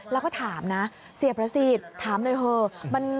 แล้วก็ถามนะเสียประสิทธิ์ถามหน่อยเถอะ